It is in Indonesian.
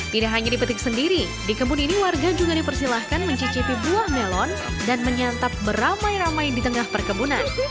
tidak hanya dipetik sendiri di kebun ini warga juga dipersilahkan mencicipi buah melon dan menyantap beramai ramai di tengah perkebunan